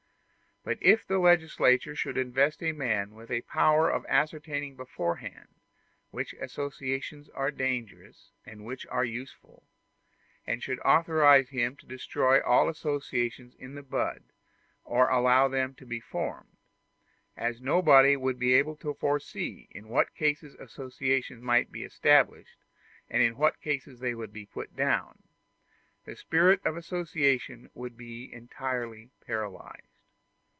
But if the legislature should invest a man with a power of ascertaining beforehand which associations are dangerous and which are useful, and should authorize him to destroy all associations in the bud or allow them to be formed, as nobody would be able to foresee in what cases associations might be established and in what cases they would be put down, the spirit of association would be entirely paralyzed.